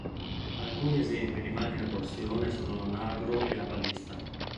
Alcuni esempi di macchina a torsione sono l'onagro e la balista.